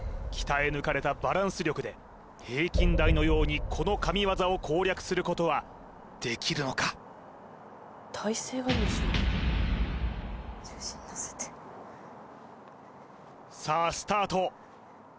鍛え抜かれたバランス力で平均台のようにこの神業を攻略することはできるのか重心のせてさあスタート